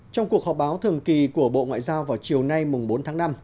trong cuộc họp báo thường kỳ của bộ ngoại giao vào chiều nay bốn tháng năm